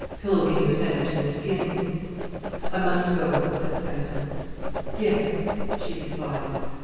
Pilbeam attended to his skins. "I must go," said Syson. "Yes," she replied.